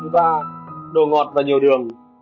thứ ba đồ ngọt và nhiều đường